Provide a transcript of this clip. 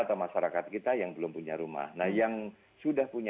atau masyarakat kita yang belum punya rumah